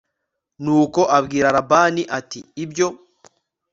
nuko abwira labani ati ibyo